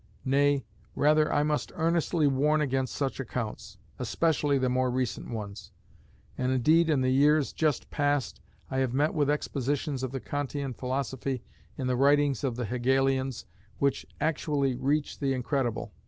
Nay, rather I must earnestly warn against such accounts, especially the more recent ones; and indeed in the years just past I have met with expositions of the Kantian philosophy in the writings of the Hegelians which actually reach the incredible.